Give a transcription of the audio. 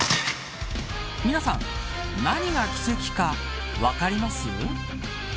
皆さん、何が奇跡か分かります。